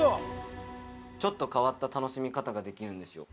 ◆ちょっと変わった楽しみ方ができるんですよ。